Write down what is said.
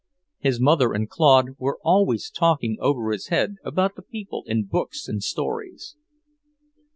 His mother and Claude were always talking over his head about the people in books and stories.